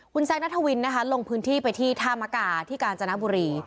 คุณแซคนัทวินนะคะลงพื้นที่ไปที่ท่ามกาที่กาญจนบุรี